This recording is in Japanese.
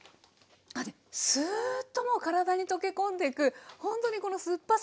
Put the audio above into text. あっスーッともう体に溶け込んでいくほんとにこの酸っぱさが。